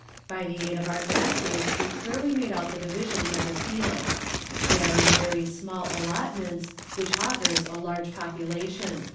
By the aid of our glasses we clearly made out the divisions of the fields. They are in very small allotments, which augurs a large population.